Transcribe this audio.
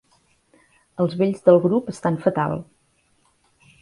Els vells del grup estan fatal.